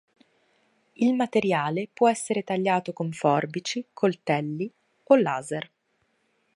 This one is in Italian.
Il materiale può essere tagliato con forbici, coltelli o laser.